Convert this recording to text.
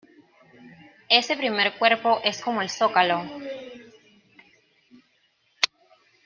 Ese primer cuerpo es como el zócalo.